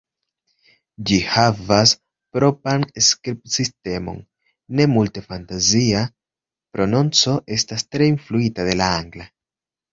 Ĝi havas propran skribsistemon, ne multe fantazia, prononco estas tre influita de la angla.